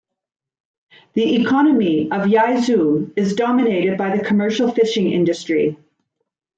The economy of Yaizu is dominated by the commercial fishing industry.